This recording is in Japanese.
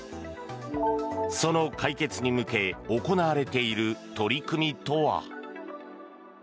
その解決に向け行われている取り組みとは。